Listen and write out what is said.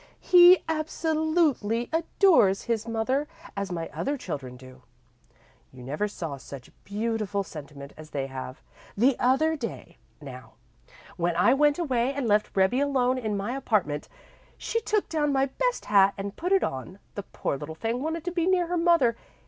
He absolutely adores his mother, as my other children do. You never saw such beautiful sentiment as they have. The other day, now, when I went away and left Rebbie alone in my apartment, she took down my best hat and put it on. The poor little thing wanted to be near her mother.